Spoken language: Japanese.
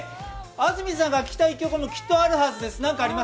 安住さんが聴きたい曲もきっとあるはずです。